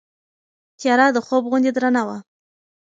تیاره د خوب غوندې درنه وه.